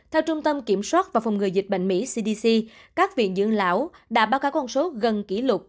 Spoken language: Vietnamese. theo trung tâm kiểm soát và phòng ngừa dịch bệnh mỹ cdc các viện dưỡng lão đã báo cáo con số gần kỷ lục